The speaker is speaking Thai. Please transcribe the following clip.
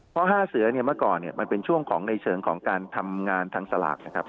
เพราะ๕เสือเนี่ยเมื่อก่อนเนี่ยมันเป็นช่วงของในเชิงของการทำงานทางสลากนะครับ